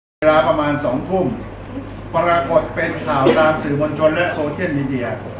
เวลาประมาณสองทุ่มปรากฏเป็นข่าวตามสื่อมวลชนและโซเชียลมีเดีย